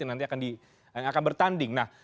yang nanti akan bertanding